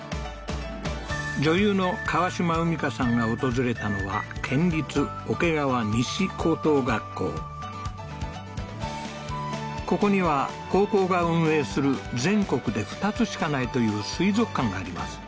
女優の川島海荷さんが訪れたのはここには高校が運営する全国で２つしかないという水族館があります